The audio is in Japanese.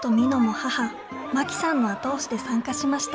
母真紀さんの後押しで参加しました。